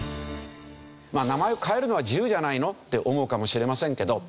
まあ名前を変えるのは自由じゃないの？って思うかもしれませんけど。